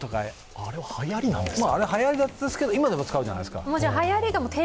あれははやりだったんですけど、今でも使うじゃないですか。